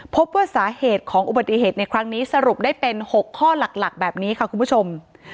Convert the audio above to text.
พบว่าสาเหตุของอุบัติเหตุในครั้งนี้สรุปได้เป็น๖ข้อหลักแบบนี้ค่ะคุณผู้ชม